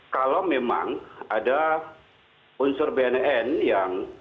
kalau memang ada unsur bnn yang